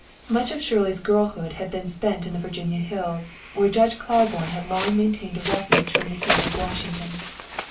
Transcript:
Much of Shirley's girlhood had been spent in the Virginia hills, where Judge Claiborne had long maintained a refuge from the heat of Washington.